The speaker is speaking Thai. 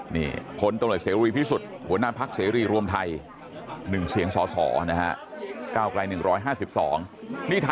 นี่ผลตลอดเสรีรวมที่สุด